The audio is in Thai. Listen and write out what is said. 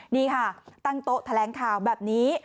นี่ค่ะตั้งโต๊ะแถลงข่าวแบบนี้